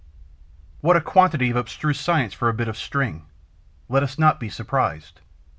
What a quantity of abstruse science for a bit of string! Let us not be surprised.